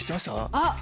あっ！